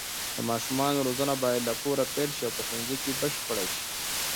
د ماشومانو روزنه باید له کوره پیل شي او په ښوونځي کې بشپړه شي.